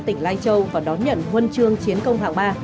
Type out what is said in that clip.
tỉnh lai châu và đón nhận huân chương chiến công hạng ba